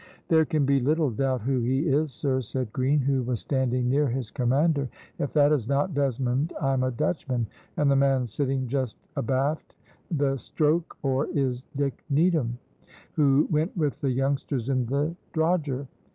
"There can be little doubt who he is, sir," said Green, who was standing near his commander. "If that is not Desmond I'm a Dutchman, and the man sitting just abaft the stroke oar is Dick Needham, who went with the youngsters in the drogher.